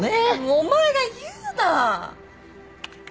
お前が言うな。